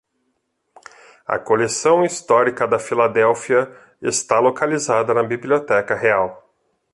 A coleção histórica da Filadélfia está localizada na Biblioteca Real.